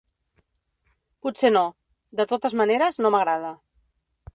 Potser no. De totes maneres, no m'agrada.